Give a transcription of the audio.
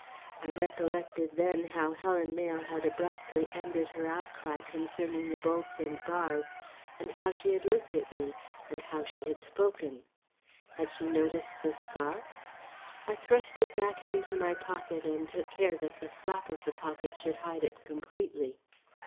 I recollected then how Helen Mayle had abruptly ended her outcry concerning the bolts and bars, and how she had looked at me and how she had spoken. Had she noticed the scarf? I thrust it back into my pocket and took care that the flap of the pocket should hide it completely.